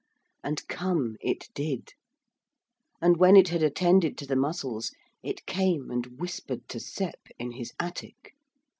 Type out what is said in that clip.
And come it did. And when it had attended to the mussels it came and whispered to Sep in his attic.